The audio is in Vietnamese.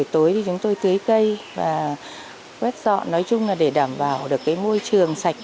tưới cây và quét dọn nói chung là để đảm bảo được cái môi trường sạch